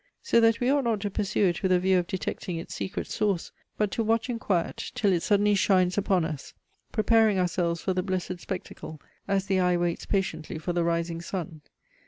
So that we ought not to pursue it with a view of detecting its secret source, but to watch in quiet till it suddenly shines upon us; preparing ourselves for the blessed spectacle as the eye waits patiently for the rising sun."